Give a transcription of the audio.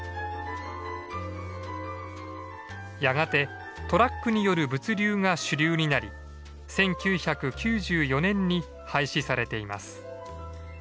やがてトラックによる物流が主流になり１９９４年に廃止されています。